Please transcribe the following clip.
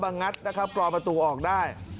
งัดนะครับกรอประตูออกได้